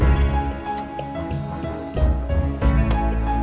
ya pak juna